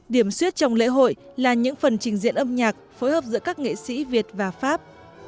điểm suyết trong lễ hội là những phần trình diễn âm nhạc phối hợp giữa các nghệ sĩ việt và pháp